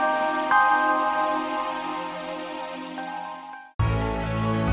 ini buat kamu yang gede